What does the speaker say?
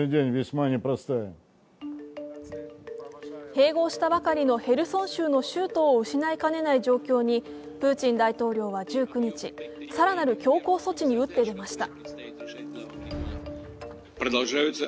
併合したばかりのヘルソン州の州都を失いかねない状況にプーチン大統領は１９日更なる強硬措置に打って出ました。